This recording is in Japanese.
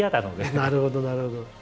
なるほどなるほど。